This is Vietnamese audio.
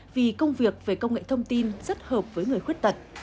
vì công việc về công nghệ thông tin rất hợp với người khuyết tật